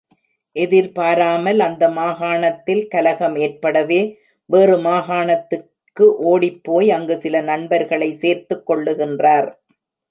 எதிர்பாராமல் அந்த மாகாணத்தில் கலகம் ஏற்படவே வேறு மாகாணத்துக்கு ஓடிப்போய் அங்கு சில நண்பர்களை சேர்த்துக் கொள்ளுகின்றார்.